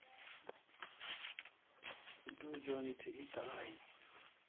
Du j'on thi eta aini